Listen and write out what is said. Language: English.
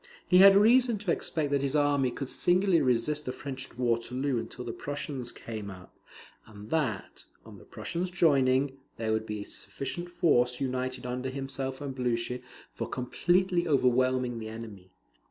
He had reason to expect that his army could singly resist the French at Waterloo until the Prussians came up; and that, on the Prussians joining, there would be a sufficient force united under himself and Blucher for completely overwhelming the enemy.